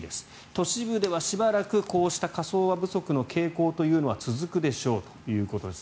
都市部ではしばらく、こうした火葬場不足の傾向というのは続くでしょうということです。